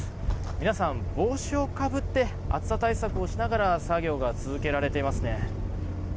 皆さん、帽子をかぶって暑さ対策をしながら作業が続けられていますね。